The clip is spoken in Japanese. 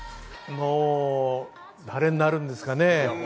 誰になるんですかね？